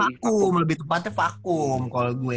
vakum lebih tepatnya vakum kalau gue